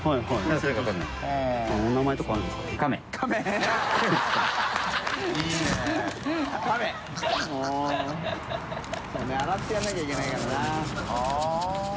そうね洗ってやらなきゃいけないからな。